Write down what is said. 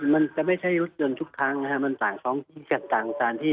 มันจะไม่ใช่รถยนต์ทุกครั้งนะครับมันต่างท้องที่จะต่างตามที่